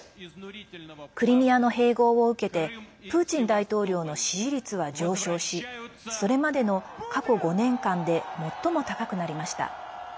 クリミアの併合を受けてプーチン大統領の支持率は上昇しそれまでの過去５年間で最も高くなりました。